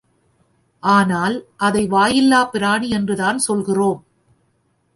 ஆனால் அதை வாயில்லாப் பிராணி என்றுதான் சொல்கிறோம்.